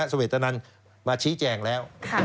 เวตนันมาชี้แจงแล้ว